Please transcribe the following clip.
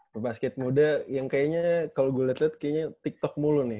pembasquet muda yang kayaknya kalau gue liat liat kayaknya tiktok mulu nih